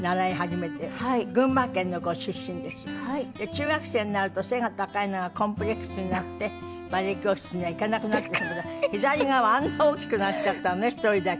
中学生になると背が高いのがコンプレックスになってバレエ教室には行かなくなったけど左側あんな大きくなっちゃったのね１人だけ。